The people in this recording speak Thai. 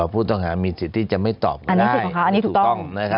ผู้ต้องหามีสิทธิ์ที่จะไม่ตอบอันนี้ถูกต้อง